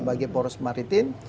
sebagai poros maritim